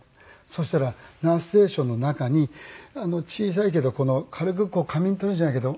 そしたらナースステーションの中に小さいけど軽く仮眠を取るじゃないけど。